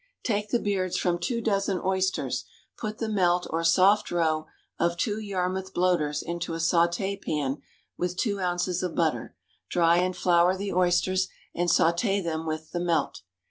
_ Take the beards from two dozen oysters; put the melt (or soft roe) of two Yarmouth bloaters into a sauté pan with two ounces of butter; dry and flour the oysters, and sauté them with the melt.